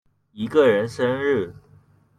一個人生日